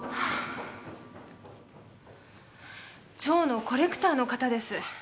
蝶のコレクターの方です。